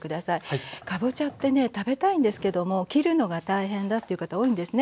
かぼちゃってね食べたいんですけども切るのが大変だっていう方多いんですね。